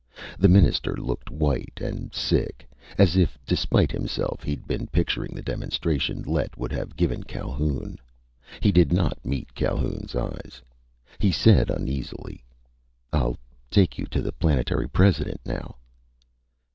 The Minister looked white and sick, as if despite himself he'd been picturing the demonstration Lett would have given Calhoun. He did not meet Calhoun's eyes. He said uneasily: "I'll take you to the Planetary President, now."